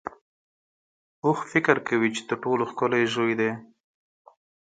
اوښ فکر کوي چې تر ټولو ښکلی ژوی دی.